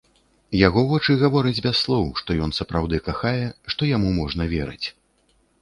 Яго вочы гавораць без слоў, што ён сапраўды кахае, што яму можна верыць.